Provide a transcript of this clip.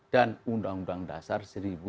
undang undang dasar seribu sembilan ratus empat puluh